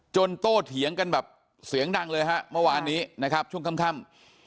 โตเถียงกันแบบเสียงดังเลยฮะเมื่อวานนี้นะครับช่วงค่ำ